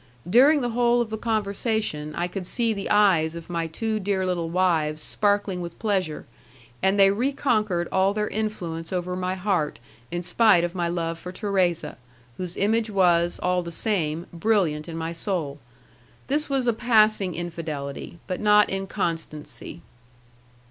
During the whole of the conversation, I could see the eyes of my two dear little wives sparkling with pleasure, and they reconquered all their influence over my heart in spite of my love for Thérèse, whose image was, all the same, brilliant in my soul: this was a passing infidelity, but not inconstancy.